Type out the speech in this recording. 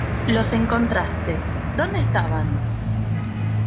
Los encontraste. ¿ Dónde estaban?